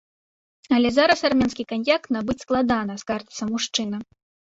Але зараз армянскі каньяк набыць складана, скардзіцца мужчына.